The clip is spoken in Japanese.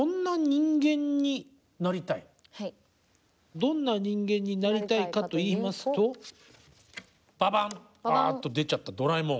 どんな人間になりたいかといいますとババンあっと出ちゃったドラえもん。